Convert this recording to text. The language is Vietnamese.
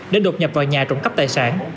để đột nhập vào nhà trộm cấp tài sản